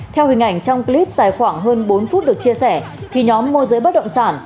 theo hình ảnh trong clip dài khoảng hơn bốn phút được chia sẻ thì nhóm môi giới bất động sản